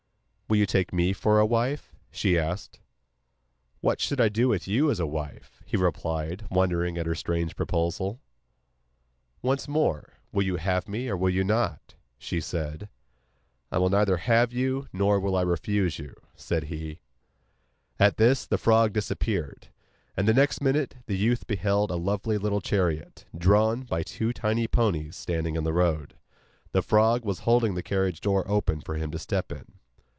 'Will you take me for a wife?' she asked. 'What should I do with you as a wife,' he replied, wondering at her strange proposal. 'Once more, will you have me or will you not?' she said. 'I will neither have you, nor will I refuse you,' said he. At this the frog disappeared; and the next minute the youth beheld a lovely little chariot, drawn by two tiny ponies, standing on the road. The frog was holding the carriage door open for him to step in.